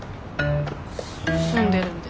住んでるんで。